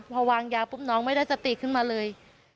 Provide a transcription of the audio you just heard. พอวางยาปุ๊บน้องไม่ได้สติขึ้นมาเลย